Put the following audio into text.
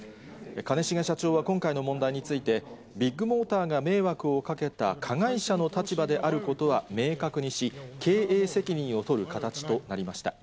兼重社長は今回の問題について、ビッグモーターが迷惑をかけた加害者の立場であることは明確にし、経営責任を取る形となりました。